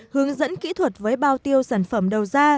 hướng dẫn kỹ thuật với bao tiêu sản phẩm đầu ra